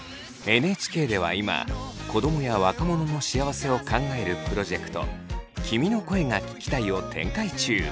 ＮＨＫでは今子どもや若者の幸せを考えるプロジェクト「君の声が聴きたい」を展開中。